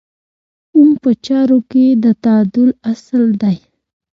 اووم په چارو کې د تعادل اصل دی.